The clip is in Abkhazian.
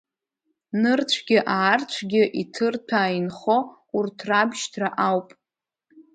Нырцәгьы-аарцәгьы иҭырҭәаа инхо урҭ рабшьҭра ауп.